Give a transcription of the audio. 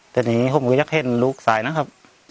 แต่นี้เขามงี้ยังเคร่งลูกซายนะครับ